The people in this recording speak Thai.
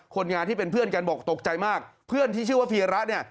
คนงานที่เป็นเพื่อนกันบอกตกใจมากเพื่อนที่ชื่อว่าพีระเนี่ย